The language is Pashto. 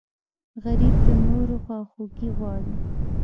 غریب د نورو خواخوږی غواړي